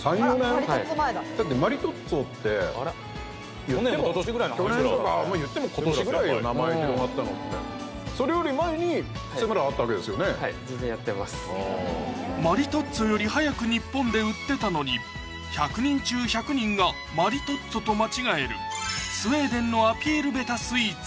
だってマリトッツォって去年今年ぐらいの話去年とか言っても今年ぐらいよ名前広まったのってマリトッツォより早く日本で売ってたのに１００人中１００人がマリトッツォと間違えるスウェーデンのアピール下手スイーツ